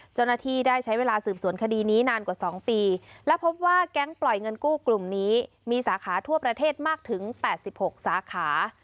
เจ้าหน้าที่ได้ใช้เวลาสืบสวนคดีนี้นานกว่า๒ปีและพบว่าแก๊งปล่อยเงินกู้กลุ่มนี้มีสาขาทั่วประเทศมากถึง๘๖สาขา